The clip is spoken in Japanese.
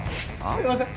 すみません。